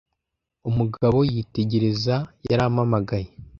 umugabo yitegereza yarampamagaye